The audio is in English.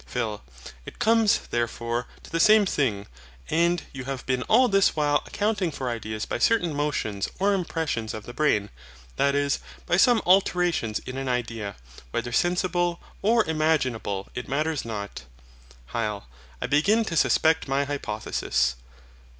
PHIL. It comes, therefore, to the same thing; and you have been all this while accounting for ideas by certain motions or impressions of the brain; that is, by some alterations in an idea, whether sensible or imaginable it matters not. HYL. I begin to suspect my hypothesis.